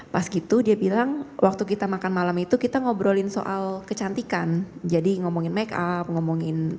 pas gitu dia bilang waktu kita makan malam itu kita ngobrol sama teman teman itu